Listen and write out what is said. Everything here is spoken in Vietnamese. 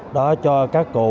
đó cho các cụ